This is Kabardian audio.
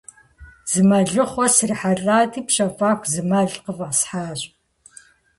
Зы мэлыхъуэ срихьэлӀати, пщэфӀэху, зы мэл къыфӀэсхьащ.